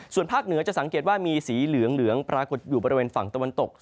ส่วนภาคเหนือจะสังเกตว่ามีสีเหลืองปรากฏอยู่บริเวณฝั่งตะวันตก